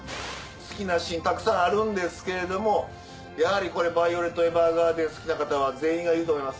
好きなシーンたくさんあるんですけれどもやはり『ヴァイオレット・エヴァーガーデン』好きな方は全員が言うと思います